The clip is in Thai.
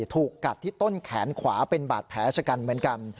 ถูกกัดที่ต้นแขนขวาเป็นบาดแผลชะกันเหมือนกัน